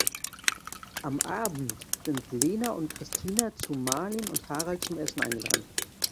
Am Abend sind Lena und Kristina zu Malin und Harald zum Essen eingeladen.